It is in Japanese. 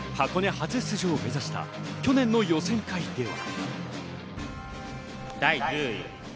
初出場を目指した去年の予選会では。